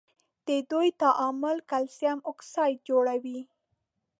د دوی تعامل کلسیم اکساید جوړوي.